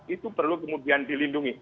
itu perlu kemudian dilindungi